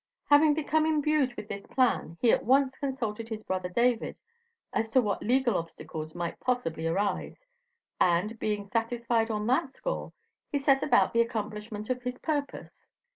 Having become imbued with this plan he at once consulted his brother David as to what legal obstacles might possibly arise, and being satisfied on that score, he set about the accomplishment of his purpose.